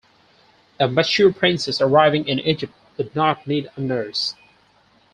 A mature princess arriving in Egypt would not need a nurse.